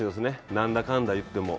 なんだかんだといっても。